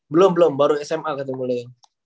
belum belum baru sma ketemu lagi